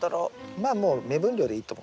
まあもう目分量でいいと思う。